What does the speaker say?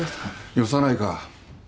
よさないか。